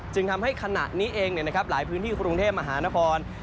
จึงทำให้ขณะนี้เองเนี่ยนะครับหลายพื้นที่กรุงเทพมหานคร